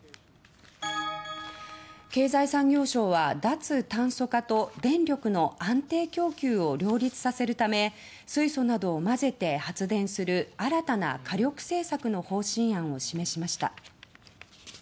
経済産業省は脱炭素化と電力の安定供給を両立させるため水素などを混ぜて発電する新たな火力政策の方針案を示しました。